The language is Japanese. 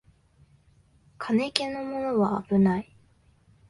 金気のものはあぶない